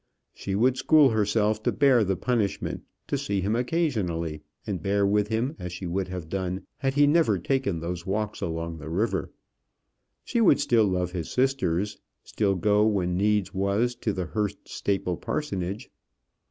She would school herself to bear the punishment, to see him occasionally, and bear with him as she would have done had he never taken those walks along the river; she would still love his sisters; still go when needs was to the Hurst Staple parsonage.